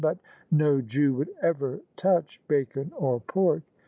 But no Jew would erer touch baa» or pork."